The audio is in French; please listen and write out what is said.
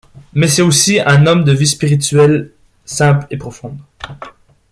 Mais c'est aussi un homme de vie spirituelle simple et profonde.